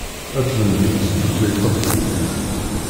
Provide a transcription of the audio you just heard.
Ad tlemdemt tutlayt taqbaylit.